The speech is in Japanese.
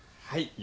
はい。